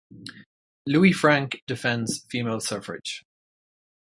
Louis Frank defends female suffrage.